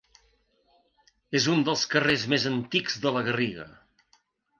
És un dels carrers més antics de La Garriga.